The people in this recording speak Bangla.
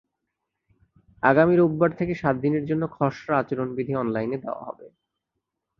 আগামী রোববার থেকে সাত দিনের জন্য খসড়া আচরণবিধি অনলাইনে দেওয়া হবে।